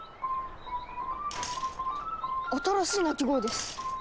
新しい鳴き声です。